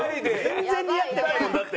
全然似合ってないもんだって。